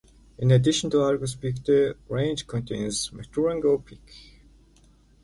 In addition to Argus Peak, the range contains Maturango Peak.